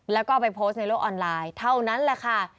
แล้วก็เอาไปโพสต์ในโลกออนไลน์เท่านั้นแหละค่ะ